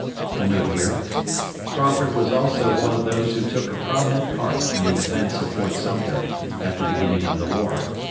[* Crawford was also one of those who took a prominent part in the defence of Fort Sumter, at the beginning of the war.